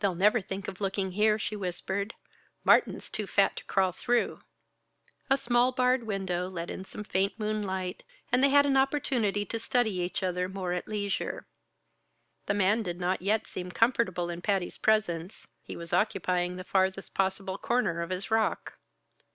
"They'll never think of looking here," she whispered. "Martin's too fat to crawl through." A small barred window let in some faint moonlight and they had an opportunity to study each other more at leisure. The man did not yet seem comfortable in Patty's presence; he was occupying the farthest possible corner of his rock.